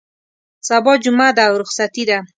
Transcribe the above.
سبا جمعه ده او رخصتي ده.